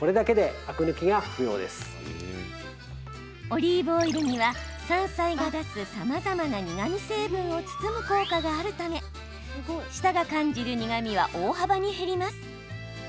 オリーブオイルには山菜が出すさまざまな苦み成分を包む効果があるため舌が感じる苦みは大幅に減ります。